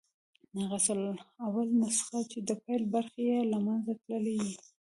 ناقص الاول نسخه، چي د پيل برخي ئې له منځه تللي يي.